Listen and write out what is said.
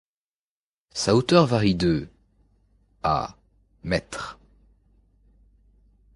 Sa hauteur varie de à mètres.